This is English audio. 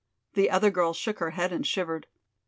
The other girl shook her head and shivered.